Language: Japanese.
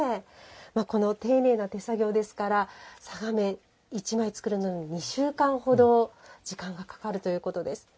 この丁寧な手作業ですから嵯峨面１枚作るのに２週間ほど時間がかかるということです。